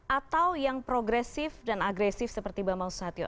atau yang progresif dan agresif seperti pak bang susatyo